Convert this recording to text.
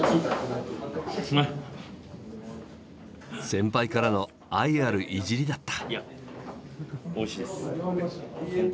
先輩からの愛あるいじりだった。